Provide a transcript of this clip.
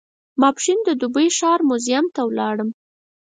ماپښین د دوبۍ ښار موزیم ته ولاړم.